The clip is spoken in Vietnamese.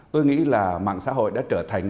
tôi nghĩ là mạng xã hội đã trở thành